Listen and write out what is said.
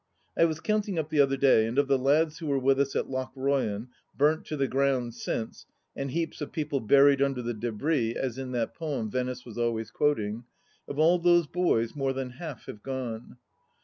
I was counting up the other day, and of the lads who were with us at Lochroyan — ^burnt to the ground since, and heaps of people buried under the d6bris, as in that poem Venice was always quoting — of all those boys more than half have gone.